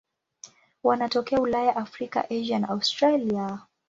Wanatokea Ulaya, Afrika, Asia na Australia.